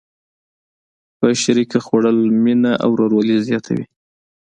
په شریکه خوړل مینه او ورورولي زیاتوي.